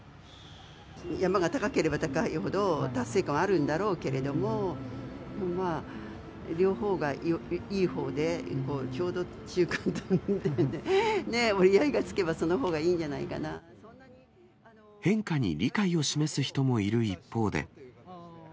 山が高ければ高いほど、達成感はあるんだろうけれども、両方がいいほうでちょうど中間で折り合いがつけば、そのほうがい変化に理解を示す人もいる一方で。